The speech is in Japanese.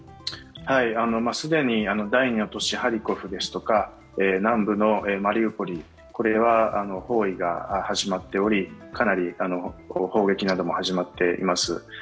既に第２の都市ハリコフですとか南部のマリウポリこれは包囲が始まっておりかなり砲撃なども始まっています。